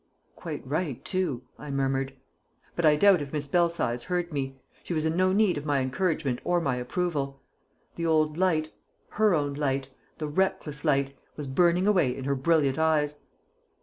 "Quite right, too!" I murmured. But I doubt if Miss Belsize heard me; she was in no need of my encouragement or my approval. The old light her own light the reckless light was burning away in her brilliant eyes!